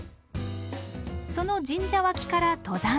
その神社脇から登山道へ。